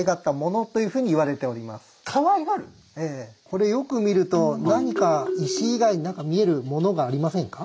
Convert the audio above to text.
これよく見ると何か石以外に見えるものがありませんか？